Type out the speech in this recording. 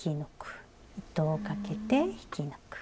糸をかけて引き抜く。